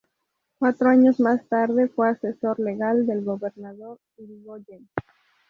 Cuatro años más tarde fue asesor legal del gobernador Irigoyen.